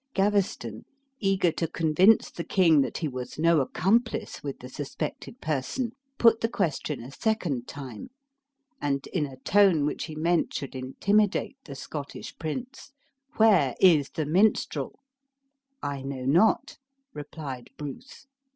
Gaveston, eager to convince the king that he was no accomplice with the suspected person, put the question a second time, and in a tone which he meant should intimidate the Scottish prince "Where is the minstrel?" "I know not," replied Bruce.